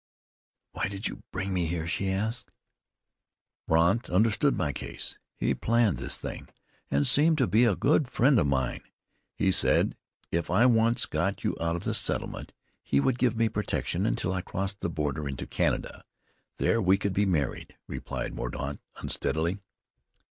"Why did you bring me here?" she asked. "Brandt understood my case. He planned this thing, and seemed to be a good friend of mine. He said if I once got you out of the settlement, he would give me protection until I crossed the border into Canada. There we could be married," replied Mordaunt unsteadily.